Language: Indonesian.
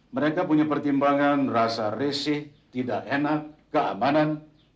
mereka punya pertimbangan rasa resih tidak enak keamanan